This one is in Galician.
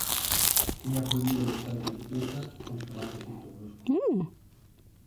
Tiña prohibido montar en bicicleta ou xogar de xeito brusco.